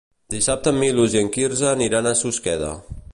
Dissabte en Milos i en Quirze aniran a Susqueda.